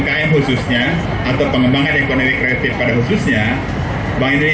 terhadap tekanan tekanan sektor ek program universal